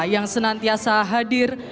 yang senantiasa hadir